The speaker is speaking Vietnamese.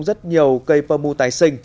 rất nhiều cây pơ mu tái sinh